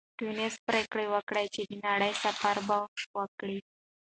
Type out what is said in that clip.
سټيونز پرېکړه وکړه چې د نړۍ سفر به وکړي.